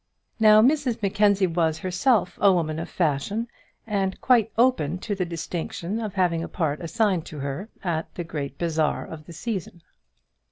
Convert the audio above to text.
Now Mrs Mackenzie was herself a woman of fashion, and quite open to the distinction of having a part assigned to her at the great bazaar of the season.